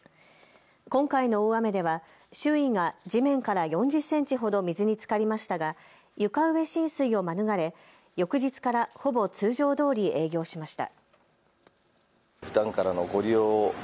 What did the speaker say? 今回の大雨では周囲が地面から４０センチほど水につかりましたが床上浸水を免れ翌日からほぼ通常どおり営業しました。